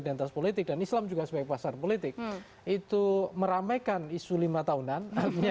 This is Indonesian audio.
identitas politik dan islam juga sebagai pasar politik itu meramaikan isu lima tahunan hanya